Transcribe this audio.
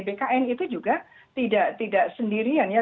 bkn itu juga tidak sendirian ya